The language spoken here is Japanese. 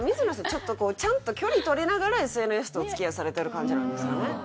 ちょっとこうちゃんと距離取りながらＳＮＳとおつきあいされてる感じなんですかね？